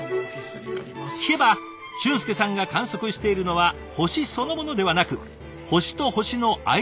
聞けば俊介さんが観測しているのは星そのものではなく星と星の間にある暗闇。